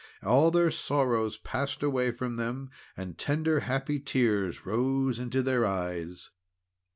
All their sorrow passed away from them, and tender, happy tears rose into their eyes.